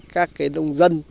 các cái nông dân